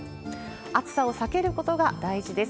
暑さを避けることが大事です。